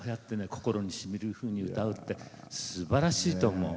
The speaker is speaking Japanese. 心にしみるふうに歌うってすばらしいと思う。